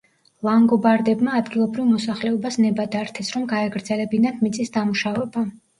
ლანგობარდებმა ადგილობრივ მოსახლეობას ნება დართეს, რომ გაეგრძელებინათ მიწის დამუშავება.